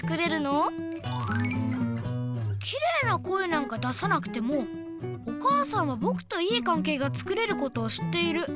うんキレイな声なんか出さなくてもお母さんはぼくといい関係がつくれることを知っている。